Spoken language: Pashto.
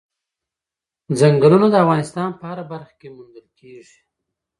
چنګلونه د افغانستان په هره برخه کې موندل کېږي.